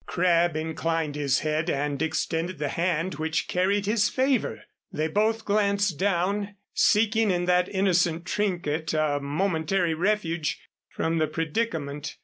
Crabb inclined his head and extended the hand which carried his favor. They both glanced down, seeking in that innocent trinket a momentary refuge from the predicament.